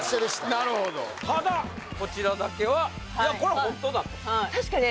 なるほどただこちらだけはいやこれはホントだとはい確かね